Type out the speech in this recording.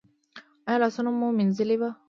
ایا لاسونه مو مینځلي وو؟